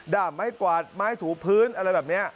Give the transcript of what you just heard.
่ามไม้กวาดไม้ถูพื้นอะไรแบบนี้